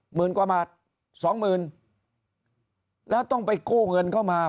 หมื่นกว่าบาทสองหมื่นแล้วต้องไปกู้เงินเข้ามา